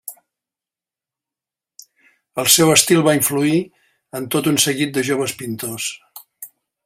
El seu estil va influir en tot un seguit de joves pintors.